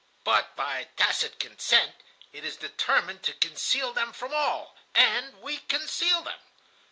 But by tacit consent it is determined to conceal them from all, and we conceal them.